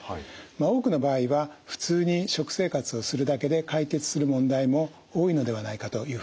多くの場合は普通に食生活をするだけで解決する問題も多いのではないかというふうに思います。